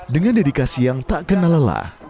dengan dedikasi yang tak kenalalah